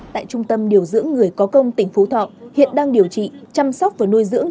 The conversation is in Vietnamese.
tại trung tâm điều dưỡng người có công tỉnh phú thọ hiện đang điều trị chăm sóc và nuôi dưỡng